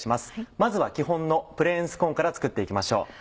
まずは基本のプレーンスコーンから作っていきましょう。